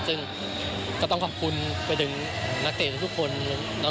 ซึ่งก็ต้องขอบคุณไปถึงนักเตะทุกคน